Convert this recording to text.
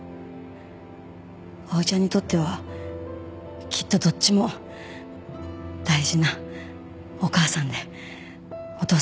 碧唯ちゃんにとってはきっとどっちも大事なお母さんでお父さんですから。